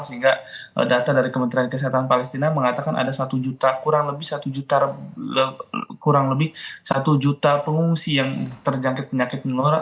sehingga data dari kementerian kesehatan palestina mengatakan ada kurang lebih satu juta pengungsi yang terjangkit penyakit menular